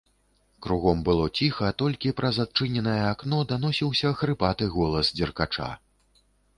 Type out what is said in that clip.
Кругом было ціха, толькі праз адчыненае акно даносіўся хрыпаты голас дзеркача.